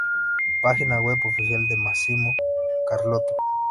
Página web oficial de Massimo Carlotto